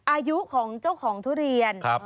อายุของเจ้าของทุเรียน